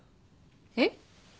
えっ？